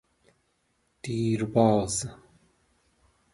دیر باز